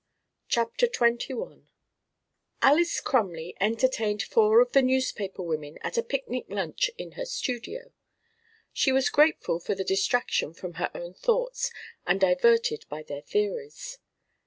CHAPTER XXI Alys Crumley entertained four of the newspaper women at a picnic lunch in her studio. She was grateful for the distraction from her own thoughts and diverted by their theories.